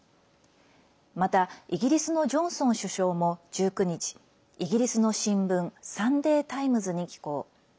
また、イギリスのジョンソン首相も１９日イギリスの新聞サンデー・タイムズに寄稿。